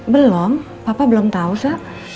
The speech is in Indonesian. belom papa belum tau sa